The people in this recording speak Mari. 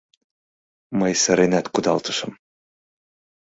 Мый сыренат кудалтышым.